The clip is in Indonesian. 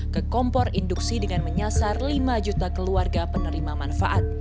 ke kompor induksi dengan menyasar lima juta keluarga penerima manfaat